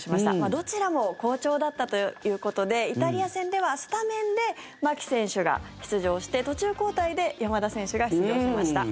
どちらも好調だったということでイタリア戦ではスタメンで牧選手が出場して途中交代で山田選手が出場しました。